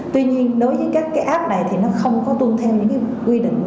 tuy nhiên đối với các cái app này thì nó không có tuân theo những cái quy định